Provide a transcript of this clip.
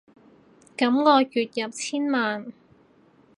噉我月入千萬